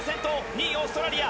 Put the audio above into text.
２番手、オーストラリア。